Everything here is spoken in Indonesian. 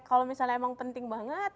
kalau misalnya emang penting banget